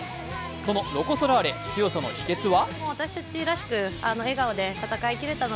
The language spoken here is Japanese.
そのロコ・ソラーレ、強さの秘訣は？